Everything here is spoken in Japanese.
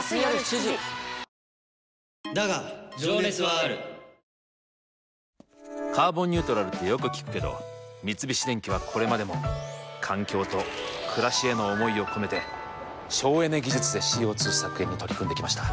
あ「カーボンニュートラル」ってよく聞くけど三菱電機はこれまでも環境と暮らしへの思いを込めて省エネ技術でＣＯ２削減に取り組んできました。